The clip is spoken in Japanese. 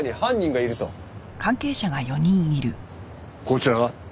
こちらは？